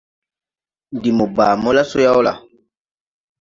Ndi mo baa mo la so yaw la ?